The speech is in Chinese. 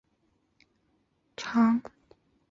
常和驯鹿混淆。